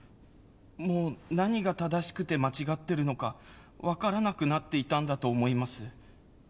もう何が正しくて間違ってるのか分からなくなっていたんだと思います。